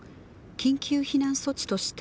「緊急避難措置として」